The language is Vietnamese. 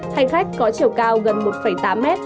hành khách có chiều cao gần một tám m